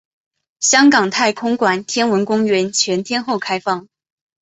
香港太空馆天文公园全天候开放。